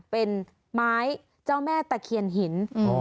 เป็นไม้เจ้าแม่ตะเคียนหิน